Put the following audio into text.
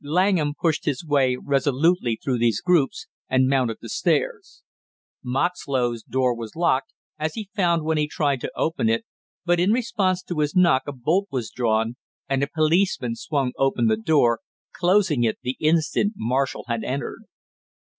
Langham pushed his way resolutely through these groups and mounted the stairs. Moxlow's door was locked, as he found when he tried to open it, but in response to his knock a bolt was drawn and a policeman swung open the door, closing it the instant Marshall had entered.